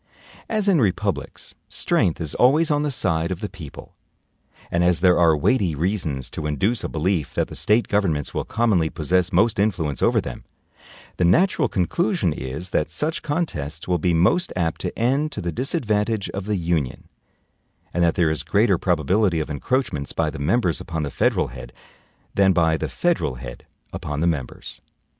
As in republics strength is always on the side of the people, and as there are weighty reasons to induce a belief that the State governments will commonly possess most influence over them, the natural conclusion is that such contests will be most apt to end to the disadvantage of the Union; and that there is greater probability of encroachments by the members upon the federal head, than by the federal head upon the members.